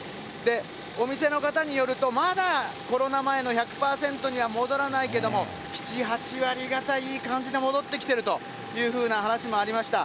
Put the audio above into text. お店の方によると、まだコロナ前の１００％には戻らないけども、７、８割方、いい感じに戻ってきているというふうな話もありました。